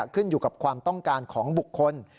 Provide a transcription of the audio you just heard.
ขึ้นอยู่กับความต้องการของบุคคล